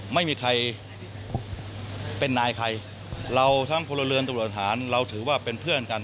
ไม่มีใครเป็นนายใครเราทั้งพลเรือนตำรวจหารเราถือว่าเป็นเพื่อนกัน